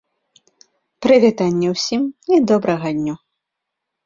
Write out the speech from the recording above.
Прывітанне ўсім і добрага дню.